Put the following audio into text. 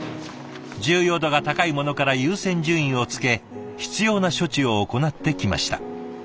重要度が高いものから優先順位をつけ必要な処置を行ってきました。